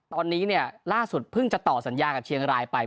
ตอนนี้เนี่ยล่าสุดเพิ่งจะต่อสัญญากับเชียงรายไป